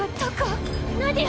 ナディア！